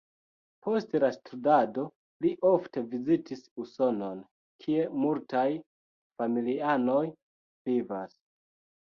Post la studado li ofte vizitis Usonon, kie multaj familianoj vivas.